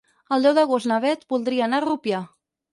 El deu d'agost na Beth voldria anar a Rupià.